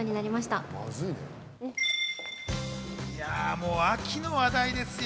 もう秋の話題ですよ。